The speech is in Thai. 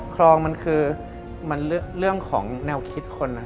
คลองมันคือมันเรื่องของแนวคิดคน